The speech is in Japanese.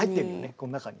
この中に。